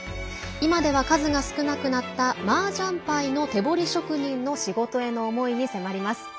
今では数が少なくなったマージャンパイの手彫り職人の仕事への思いに迫ります。